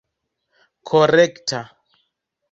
korekta